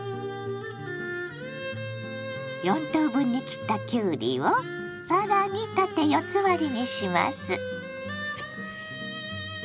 ４等分に切ったきゅうりを更に縦４つ割りにします。